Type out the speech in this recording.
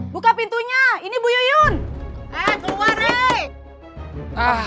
buka pintunya ini bu yun eh keluar nih ah